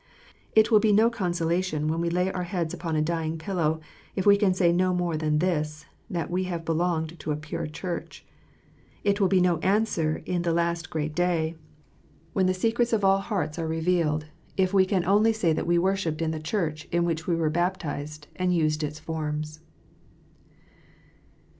It will be no consolation when we lay our heads upon a dying pillow, if we can say no more than this, that we have belonged to a pure Church. It will be no answer in the last great day, when the secrets of all hearts THE CHURCH. 225 are revealed, if we can only say that we worshipped in the Church in which we were baptized, and used its forms.